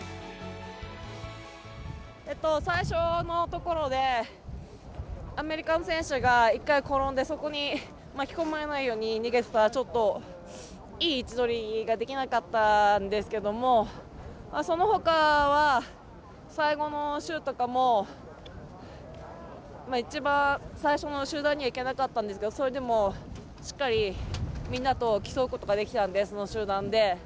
最初のところでアメリカの選手が１回、転んでそこに巻き込まれないように逃げていたらちょっと、いい位置取りができなかったんですけどもそのほかは最後の周とかも一番最初の集団にはいけなかったんですがそれでもしっかりみんなと競うことができたのでその集団で。